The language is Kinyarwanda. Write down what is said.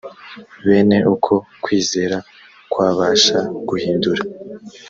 bene uko kwizera kwabasha guhindura